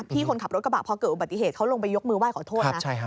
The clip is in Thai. พี่คนขับรถกระบะพอเกิดอุบัติเหตุเขาลงไปยกมือไห้ขอโทษนะ